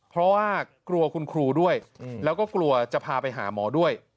เพราะว่ากลัวคุณครูด้วยแล้วก็กลัวจะพาไปหาหมอด้วย